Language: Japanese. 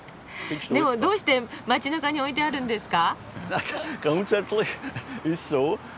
でもどうして街なかに置いてあるんですか？